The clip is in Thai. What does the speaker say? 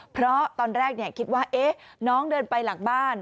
เพราะตอนแรกคิดว่าน้องเดินไปหลังบ้าน